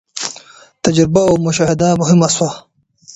تجربه او مشاهده مهمه سوه.